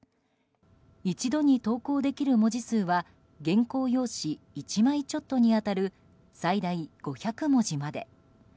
一度に投稿できる文字数は原稿用紙１枚ちょっとに当たる最大５００文字まで。